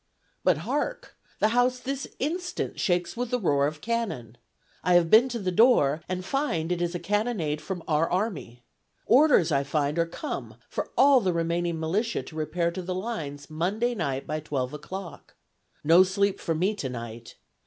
But hark! The house this instant shakes with the roar of cannon. I have been to the door, and find it is a cannonade from our army. Orders, I find, are come for all the remaining militia to repair to the lines Monday night by twelve o'clock. No sleep for me tonight.